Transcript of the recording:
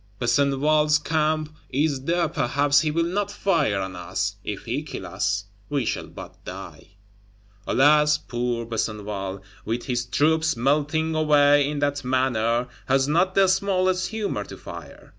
Besenval's Camp is there; perhaps he will not fire on us; if he kill us, we shall but die. Alas! poor Besenval, with his troops melting away in that manner, has not the smallest humor to fire!